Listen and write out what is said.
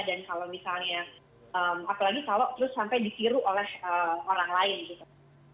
dan kalau misalnya apalagi kalau terus sampai disiru oleh orang lain gitu